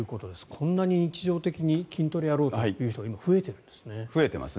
こんな日常的に筋トレやろうという人が増えているんですね。